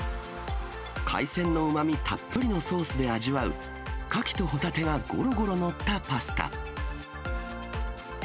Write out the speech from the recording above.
海鮮のうまみたっぷりのソースで味わう、カキとホタテがごろごろ載ったパスタ。